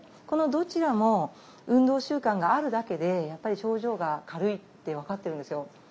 このどちらも運動習慣があるだけでやっぱり症状が軽いって分かってるんですよ。